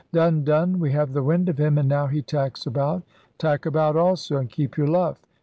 * *Done, done!' *We have the wind of him, and now he tacks about!' *Tack about also and keep your luff!